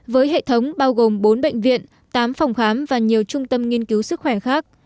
với hệ thống bao gồm bốn bệnh viện tám phòng khám và nhiều trung tâm nghiên cứu sức khỏe khác